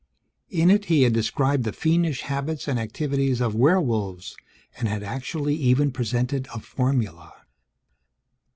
In it, he had described the fiendish habits and activities of werewolves and had actually even presented a formula.